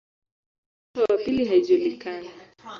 Historia ya mto wa pili haijulikani.